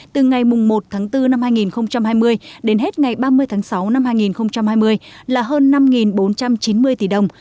từ ngày một tháng bốn năm hai nghìn hai mươi đến hết ngày ba mươi tháng sáu năm hai nghìn hai mươi là hơn năm bốn trăm chín mươi tỷ đồng